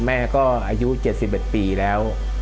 แม่ก็อายุ๗๑ปีแล้ว